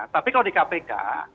tapi kalau di kpk